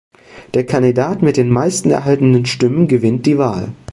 Der Kandidat mit den meisten erhaltenen Stimmen gewinnt die Wahl.